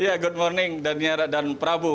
iya good morning dan prabu